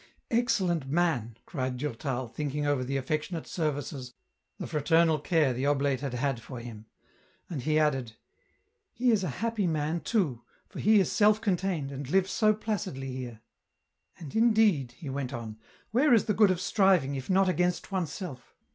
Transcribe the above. " Excellent man !" cried Durtal, thinking over the affectionate services, the fraternal care the oblate had had for him ; and he added, *' He is a happy man too, for he is self contained, and lives so placidly here. "And, indeed," he went on, "where is the good of striving, if not against oneself?